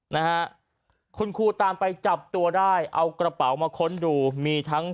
นะฮะคุณครูตามไปจับตัวได้เอากระเป๋ามาค้นดูมีทั้ง